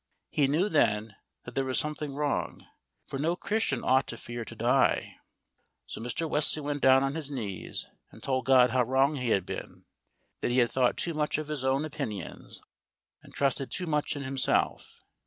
He knew then that there was something wrong, for no Christian ought to fear to die. So Mr. Wesley went down on his knees and told God how wrong he had been, that he had thought too much of his own opinions and trusted too much in himself.